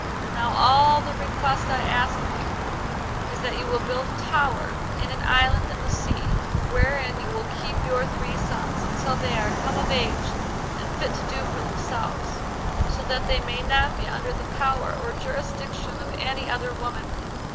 Now all the request I ask of you is that you will build a tower in an island in the sea, wherein you will keep your three sons until they are come of age and fit to do for themselves; so that they may not be under the power or jurisdiction of any other woman.